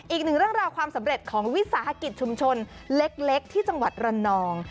อีกหนึ่งเรื่องราวความสำเร็จของวิสาหกิจชุมชนเล็กที่จังหวัดระนอง